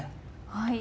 はい。